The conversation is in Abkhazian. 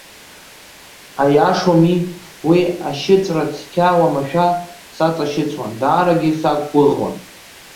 Аиашоуми, уи ашьыҵәра цқьа уамашәа саҵашьыцуан, даарагьы сақәгәыӷуан.